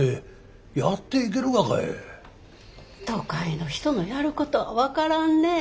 都会の人のやることは分からんねえ。